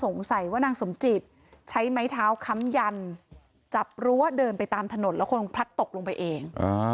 สงสัยว่านางสมจิตใช้ไม้เท้าค้ำยันจับรั้วเดินไปตามถนนแล้วคงพลัดตกลงไปเอง